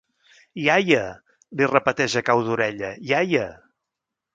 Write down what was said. Iaia! —li repeteix a cau d'orella— Iaia!